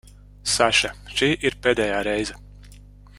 Saša, šī ir pēdējā reize.